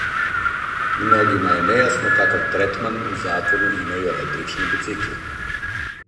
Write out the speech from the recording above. Mногима је нејасно какав третман у закону имају електрични бицикли.